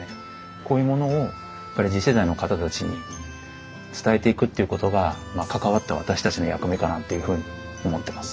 こういうものをやっぱり次世代の方たちに伝えていくっていうことが関わった私たちの役目かなというふうに思ってます。